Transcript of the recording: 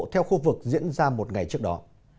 theo khu vực diễn ra một ngày trước đó